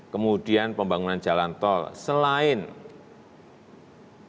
kemudian pembangunan jalan tol selain yang greenfield juga yang brownfield